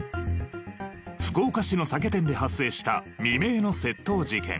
福岡市の酒店で発生した未明の窃盗事件。